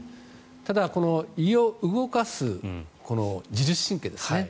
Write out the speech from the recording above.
ただ胃を動かす自律神経ですね。